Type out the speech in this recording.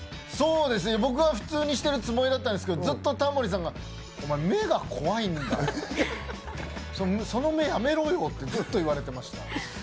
僕は普通にしてるつもりだったんですけど、タモリさんが、お前目が怖いんだよって、その目やめろよってずっと言われてました。